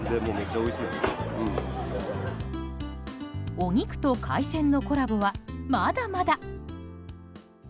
お肉と海鮮のコラボはまだまだ。